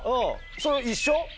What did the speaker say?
それ一緒？